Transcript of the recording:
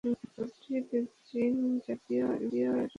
তদ্রুপ জিন জাতিও ঈমানের গুণে গুণান্বিত।